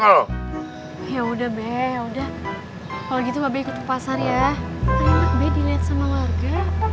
ya udah be udah kalau gitu mbak bek pasarnya lebih dilihat sama warga